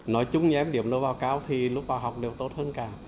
nói chung nhé điểm đầu vào cao thì lúc vào học đều tốt hơn cả